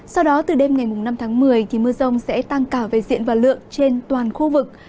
sau đó từ đêm ngày năm tháng một mươi mưa rông sẽ tăng cả về diện và lượng trên toàn khu vực